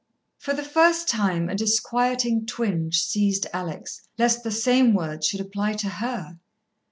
For the first time, a disquieting twinge seized Alex, lest the same words should apply to her.